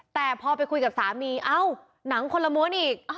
แต่พอไปคุยกับสามีเอ้าหนังคนละม้วนอีก